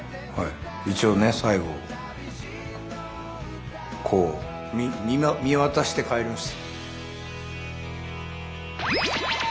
一応ね最後こう見渡して帰ります。